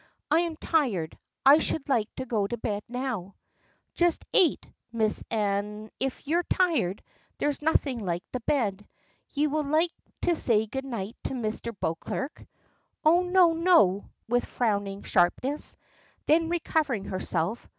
"I am tired, I should like to go to bed now." "Just eight, Miss. An' if you are tired there's nothing like the bed. Ye will like to say good night to Mr. Beauclerk?" "Oh, no, no!" with frowning sharpness. Then recovering herself.